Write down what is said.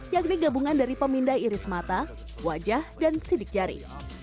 yakni gabungan dari pemindai iris mata wajah dan sidik jari